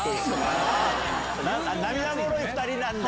涙もろい２人なんだ。